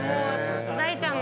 大ちゃんも。